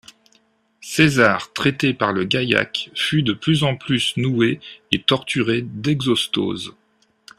César, traité par le gaïac, fut de plus en plus noué et torturé d'exostoses.